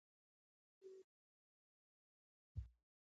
هغه د یوې الکټرونیکي الې مرسته وغوښته